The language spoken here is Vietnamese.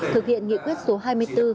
thực hiện nghị quyết số hai mươi bốn